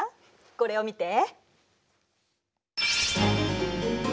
これを見て。